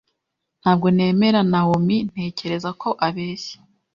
Ntabwo nemera Nawomi. Ntekereza ko abeshya.